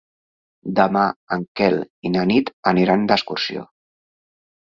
Demà en Quel i na Nit aniran d'excursió.